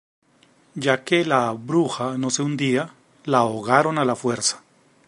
Ya que la "bruja" no se hundía, la ahogaron a la fuerza.